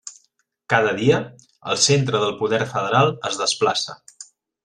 Cada dia, el centre del poder federal es desplaça.